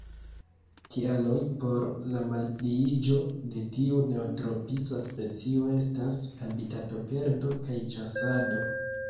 Kialoj por la malpliiĝo de tiu neotropisa specio estas habitatoperdo kaj ĉasado.